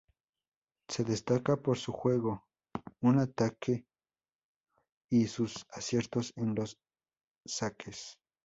Se destaca por su juego en ataque y sus aciertos en los saques.